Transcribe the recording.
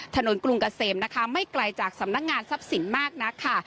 กรุงเกษมนะคะไม่ไกลจากสำนักงานทรัพย์สินมากนักค่ะ